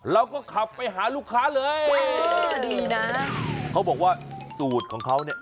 เราก็ขับไปหาลูกค้าเลยดีนะเขาบอกว่าสูตรของเขาเนี่ย